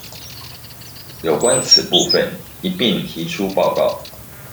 有關此部分一併提出報告